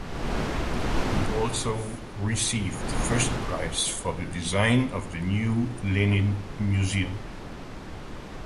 He also received the first prize for the design of the New Lenin Museum.